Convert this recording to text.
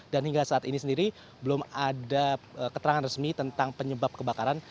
dan hingga saat ini sendiri belum ada keterangan resmi tentang penyebab kebakaran